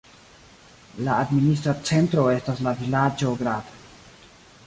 La administra centro estas la vilaĝo Grad.